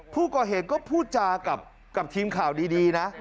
ผู้ก่อเหตุก็พูดจากับทีมข่าวดีนะ